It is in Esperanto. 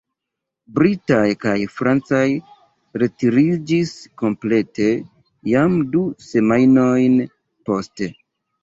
Britaj kaj francaj retiriĝis komplete jam du semajnojn poste.